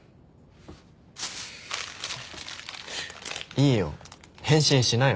いいよ返信しなよ。